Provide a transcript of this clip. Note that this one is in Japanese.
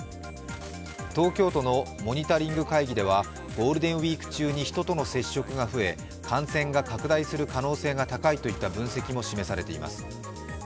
東京都のモニタリング会議ではゴールデンウイーク中に人との接触が増え感染が拡大する可能性が高いといった分析も示されています。